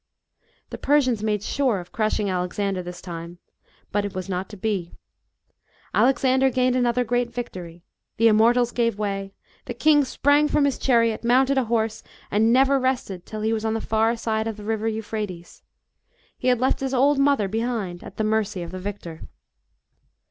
The Persians made sure of crushing Alexander this time. But it was not to be. Alexander gained another great victory ; the Immortals gave way ; the king sprang from his chariot, mounted a horse, and never rested till he was on the far side of the river Euphrates. He had left his old mother behind at the mercy of the victor.